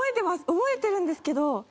覚えてるんですけど。